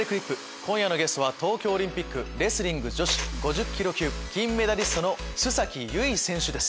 今夜のゲストは東京オリンピックレスリング女子５０ｋｇ級金メダリストの須優衣選手です。